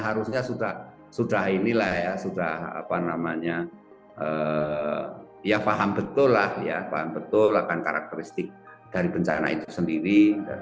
harusnya sudah faham betul karakteristik dari bencana itu sendiri